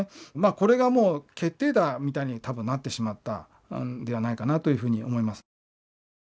これがもう決定打みたいに多分なってしまったんではないかなというふうに思います。